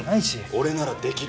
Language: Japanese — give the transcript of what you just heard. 俺ならできる。